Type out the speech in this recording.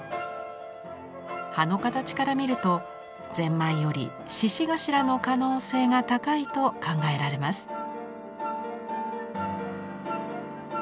葉の形から見るとゼンマイよりシシガシラの可能性が高いと考えられます。